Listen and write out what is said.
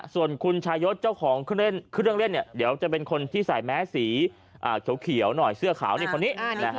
ส่วนคุณชายศเจ้าของเครื่องเล่นเดี๋ยวจะเป็นคนที่ใส่แมสสีเขียวหน่อยเสื้อขาวในคนนี้